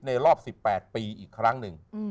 รอบ๑๘ปีอีกครั้งหนึ่ง